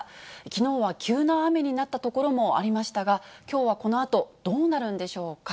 きのうは急な雨になった所もありましたが、きょうはこのあと、どうなるんでしょうか。